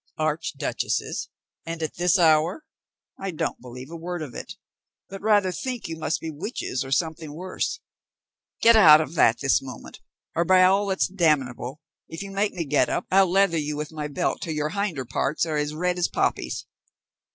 "Archduchesses, and at this hour? I don't believe a word of it, but rather think you must be witches or something worse. Get out of that this moment, or, by all that's damnable, if you make me get up I'll leather you with my belt till your hinder parts are as red as poppies."